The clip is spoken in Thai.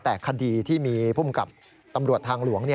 แต่คดีที่มีภูมิกับตำรวจทางหลวง